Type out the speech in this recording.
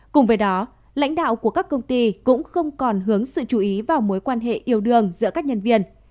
cùng với đó lãnh đạo của các công ty cũng không còn hướng sự chú ý vào mối quan hệ yêu đương giữa các nhân viên